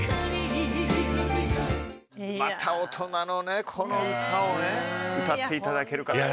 また大人のねこの歌をね歌って頂ける方。